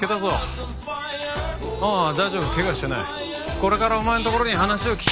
これからお前のところに話を聞き。